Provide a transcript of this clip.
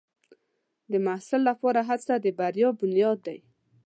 د محصل لپاره هڅه د بریا بنیاد دی.